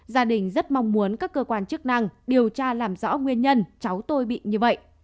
gia đình rất mong muốn các cơ quan chức năng điều tra làm rõ nguyên nhân cháu tôi bị như vậy